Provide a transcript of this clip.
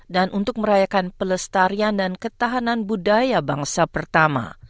dan untuk merayakan pelestarian dan ketahanan budaya bangsa pertama